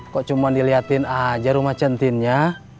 kok cuman diliatin aja rumah centinnya